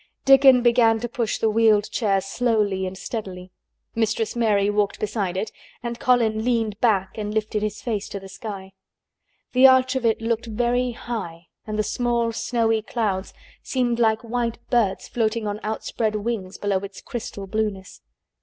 Dickon began to push the wheeled chair slowly and steadily. Mistress Mary walked beside it and Colin leaned back and lifted his face to the sky. The arch of it looked very high and the small snowy clouds seemed like white birds floating on outspread wings below its crystal blueness.